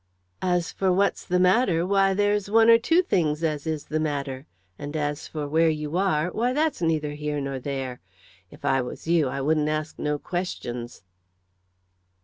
"As for what's the matter, why, there's one or two things as is the matter. And, as for where you are, why, that's neither here nor there. If I was you, I wouldn't ask no questions."